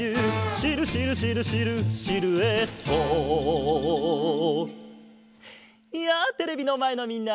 「シルシルシルシルシルエット」やあテレビのまえのみんな！